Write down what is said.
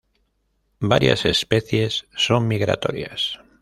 Varias especies son migratorias.